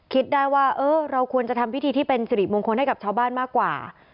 คิดได้ว่าเออเราควรจะทำพิธีที่เป็นสิริมงคลให้กับชาวบ้านมากกว่า